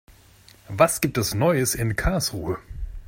Was gibt es Neues in Karlsruhe?